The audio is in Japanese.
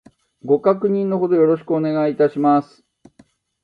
ご確認の程よろしくお願いいたします